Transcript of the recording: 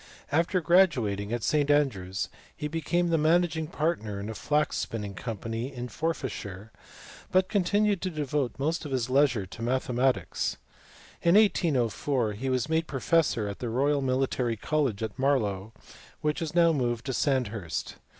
After graduating at St Andrews he became the managing partner in a flax spinning company in Forfarshire, but continued to devote most of his leisure to mathematics. In 1804 he was made professor at the Royal Military College at Marlow, which is now moved to Sandhurst.